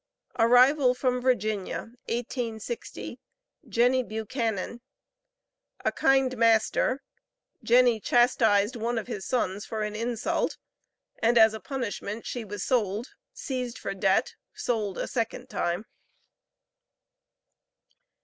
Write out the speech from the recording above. ARRIVAL FROM VIRGINIA, 1860. JENNY BUCHANAN. A KIND MASTER; JENNY CHASTISED ONE OF HIS SONS FOR AN INSULT, AND AS A PUNISHMENT SHE WAS SOLD SEIZED FOR DEBT SOLD A SECOND TIME.